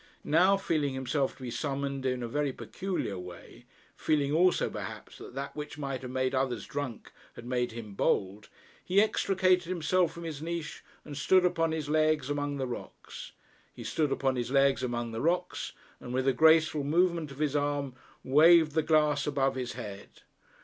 Now, feeling himself to be summoned in a very peculiar way feeling also, perhaps, that that which might have made others drunk had made him bold, he extricated himself from his niche, and stood upon his legs among the rocks. He stood upon his legs among the rocks, and with a graceful movement of his arm, waved the glass above his head.